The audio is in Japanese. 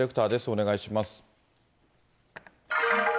お願いします。